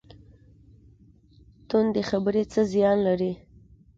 تندې خبرې څه زیان لري؟